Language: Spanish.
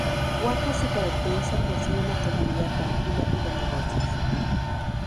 Huacas se caracteriza por ser una comunidad tranquila, y de negocios.